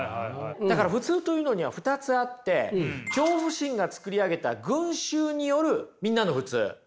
だから普通というのには２つあって恐怖心が作り上げた群衆によるみんなの普通。